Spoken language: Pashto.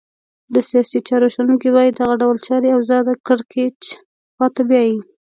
د سیاسي چارو شنونکي وایې دغه ډول چاري اوضاع د کرکېچ خواته بیایې.